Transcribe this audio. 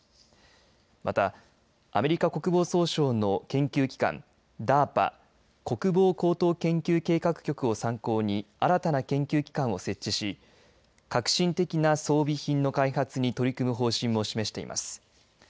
またアメリカ国防総省の研究機関ＤＡＲＰＡ国防高等研究計画局を参考に新たな研究機関を設置し革新的な装備品の開発に取り組む方針も示しています。